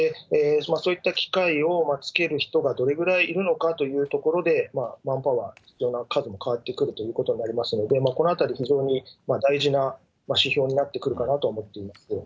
そういった機械をつける人がどれぐらいいるのかというところでマンパワー、人の数も変わってくるということになりますので、このあたり、非常に大事な指標になってくるかなと思っています。